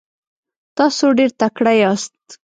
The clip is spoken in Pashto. تاسو ډیر تکړه یاست.